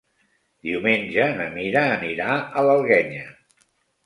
Diumenge na Mira anirà a l'Alguenya.